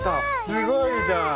すごいじゃん。